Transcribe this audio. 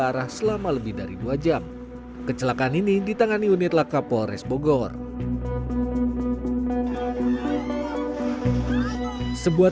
arah selama lebih dari dua jam kecelakaan ini ditangani unit laka polres bogor sebuah